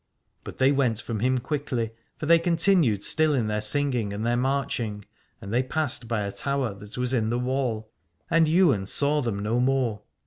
But they went from him quickly, for they continued still in their singing and their marching, and they passed by a tower that was in the wall and Ywain saw them no more.